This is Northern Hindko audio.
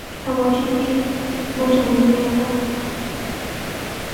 خاموشی بھی مُچ ہوندی اے اِتھا۔